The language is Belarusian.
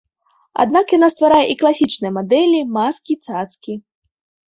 Аднак яна стварае і класічныя мадэлі, маскі, цацкі.